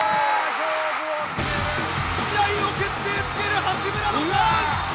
試合を決定付ける八村のダンク！